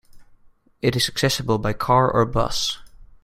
It is accessible by car or bus.